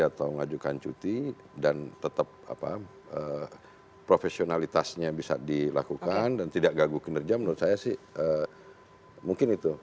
atau ngajukan cuti dan tetap profesionalitasnya bisa dilakukan dan tidak ganggu kinerja menurut saya sih mungkin itu